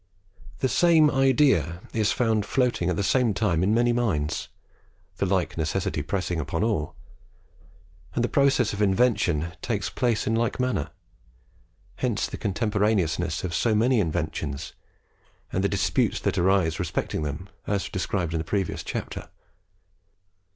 The same idea is found floating at the same time in many minds, the like necessity pressing upon all, and the process of invention takes place in like manner: hence the contemporaneousness of so many inventions, and the disputes that arise respecting them, as described in a previous chapter.